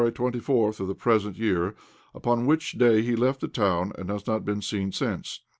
24th of the present year, upon which day he left the town, and has not been seen since.